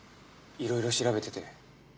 いろいろ調べてて。